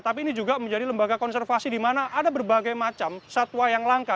tapi ini juga menjadi lembaga konservasi di mana ada berbagai macam satwa yang langka